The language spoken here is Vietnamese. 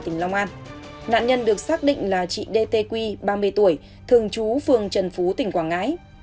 nạn nhân được xác định là chị đê tê quy ba mươi tuổi thường chú phường trần phú tỉnh quảng ngãi